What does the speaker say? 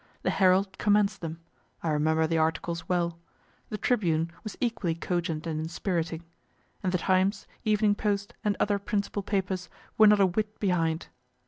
The "Herald" commenced them I remember the articles well. The "Tribune" was equally cogent and inspiriting and the "Times," "Evening Post," and other principal papers, were not a whit behind.